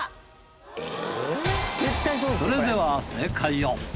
それでは正解を。